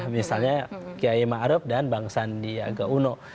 misalnya kiai ma'aruf dan bang sandi aga uno